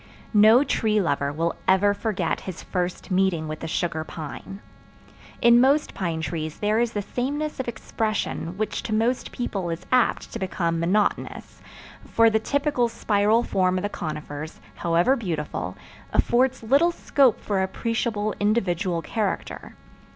No tree lover will ever forget his first meeting with the sugar pine. In most pine trees there is the sameness of expression which to most people is apt to become monotonous, for the typical spiral form of conifers, however beautiful, affords little scope for appreciable individual character.